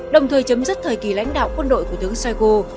đồng thời chấm dứt thời kỳ lãnh đạo quân đội của tướng shoigo